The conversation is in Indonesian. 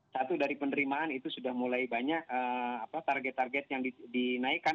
satu dari penerimaan itu sudah mulai banyak target target yang dinaikkan